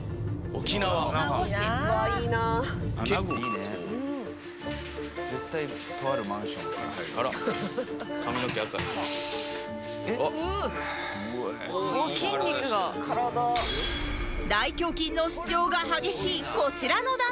大胸筋の主張が激しいこちらの男性